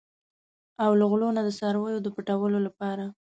او له غلو نه د څارویو د پټولو لپاره.